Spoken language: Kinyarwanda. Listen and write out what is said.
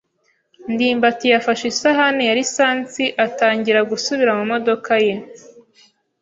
ndimbati yafashe isahani ya lisansi atangira gusubira mu modoka ye.